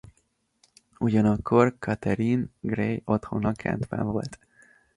Ugyanakkor Katherine Grey otthona Kentben volt.